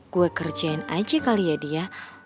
gue kerjain aja kali ya dia